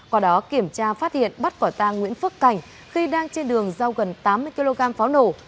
qua đó kiểm tra phát hiện bắt quả tang nguyễn phước cảnh khi đang trên đường giao gần tám mươi kg pháo nổ